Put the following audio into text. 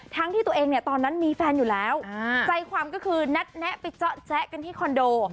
ที่ตัวเองเนี่ยตอนนั้นมีแฟนอยู่แล้วใจความก็คือนัดแนะไปเจาะแจ๊กันที่คอนโด